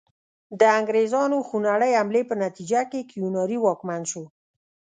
د انګریزانو خونړۍ حملې په نتیجه کې کیوناري واکمن شو.